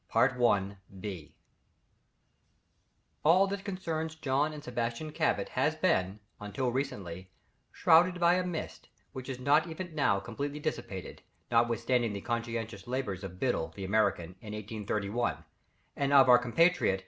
All that concerns John and Sebastian Cabot has been until recently shrouded by a mist which is not even now completely dissipated, notwithstanding the conscientious labours of Biddle the American in 1831, and of our compatriot M.